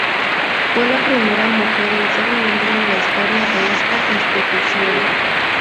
Fue la primera mujer en ser miembro en la historia de esta institución.